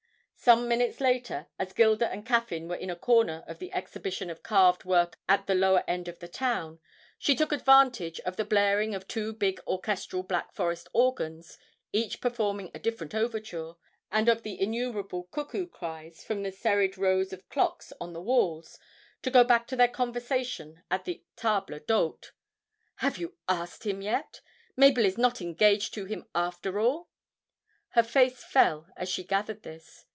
Some minutes later, as Gilda and Caffyn were in a corner of the exhibition of carved work at the lower end of the town, she took advantage of the blaring of two big orchestral Black Forest organs, each performing a different overture, and of the innumerable cuckoo cries from the serried rows of clocks on the walls, to go back to their conversation at the table d'hôte. 'Have you asked him yet? Mabel is not engaged to him after all?' (her face fell as she gathered this).